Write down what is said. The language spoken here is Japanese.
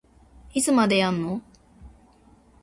いつまでやんの